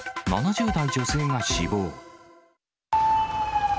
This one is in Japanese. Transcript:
７０代女性が死亡。